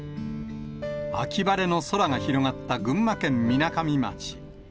秋晴れの空が広がった群馬県みなかみ町。